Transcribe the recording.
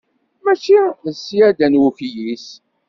Mačči d ṣyada n wukyis.